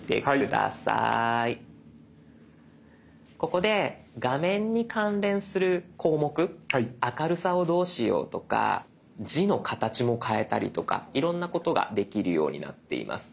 ここで画面に関連する項目明るさをどうしようとか字の形も変えたりとかいろんなことができるようになっています。